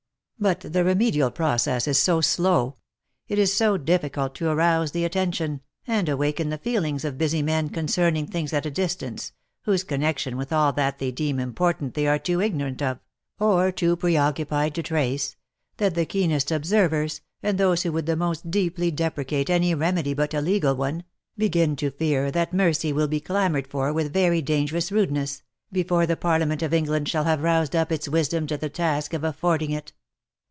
But the remedial process is so slow — it is so diffi cult to arouse the attention, and awaken the feelings of busy men con cerning things at a distance, whose connexion with all that they deem important they are too ignorant of, or too preoccupied to trace, that the keenest observers, and those who would the most deeply deprecate any remedy but a legal one, begin to fear that mercy will be clamoured for with very dangerous rudeness, before the parliament of England shall have roused up its wisdom to the task of affording it.